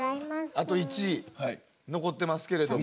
あと１位残ってますけれども。